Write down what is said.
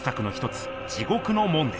「地獄の門」です。